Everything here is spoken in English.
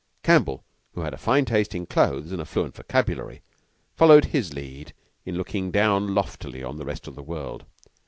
Campbell, who had a fine taste in clothes and a fluent vocabulary, followed his lead in looking down loftily on the rest of the world.